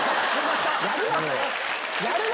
やるな！